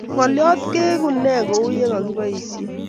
ng'oliot, keeu ko nee kou ye kikiboisie?